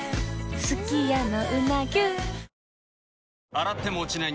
洗っても落ちない